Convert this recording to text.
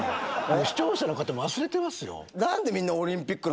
視聴者の方忘れてますよ。